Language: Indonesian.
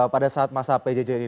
pada saat masa pjj ini